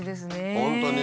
本当に。